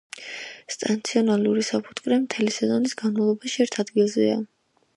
სტაციონარული საფუტკრე მთელი სეზონის განმავლობაში ერთ ადგილზეა.